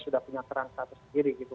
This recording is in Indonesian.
sudah punya kerangka tersendiri gitu